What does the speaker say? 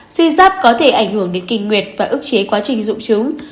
tuyến giáp có thể ảnh hưởng đến kinh nguyệt và ức chế quá trình dụng trứng